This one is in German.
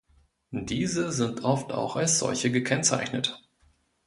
Diese sind oft auch als solche gekennzeichnet.